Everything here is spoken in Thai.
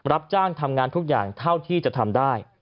รับจ้างทำงานทุกอย่างเท่าที่จะทำได้